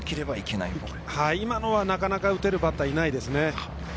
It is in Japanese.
今のはなかなか打てるバッターはいないですね。